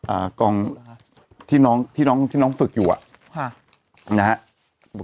อ่ากองที่น้องที่น้องที่น้องฝึกอยู่อ่ะค่ะนะฮะ